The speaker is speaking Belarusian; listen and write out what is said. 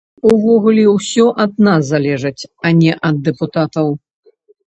Увогуле ўсё ад нас залежыць, а не ад дэпутатаў.